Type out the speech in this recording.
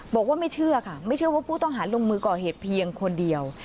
บอกว่าไม่เชื่อค่ะไม่เชื่อว่าผู้ต้องหาลงมือก่อเหตุเพียงคนเดียว